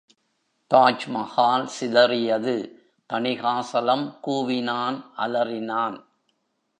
Taj Mahal சிதறியது! Thanikasalam கூவினான், அலறினான்.